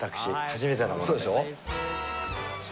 そうでしょ。